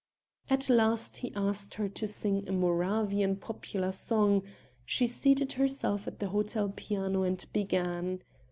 At last he asked her to sing a Moravian popular song; she seated herself at the hotel piano and began.